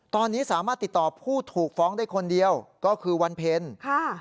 ตอนนี้สามารถติดต่อผู้ถูกฟ้องได้คนเดียวก็คือวันเพ็ญค่ะ